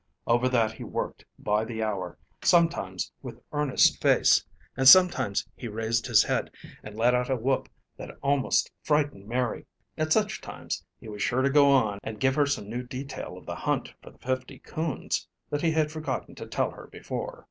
Over that he worked by the hour, sometimes with earnest face, and sometimes he raised his head, and let out a whoop that almost frightened Mary. At such times he was sure to go on and give her some new detail of the hunt for the fifty coons, that he had forgotten to tell her before.